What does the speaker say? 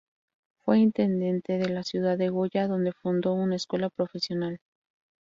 Fue intendente de la ciudad de Goya, donde fundó una escuela profesional.